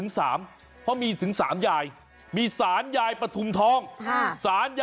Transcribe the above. และศาลยายปฐุมวัน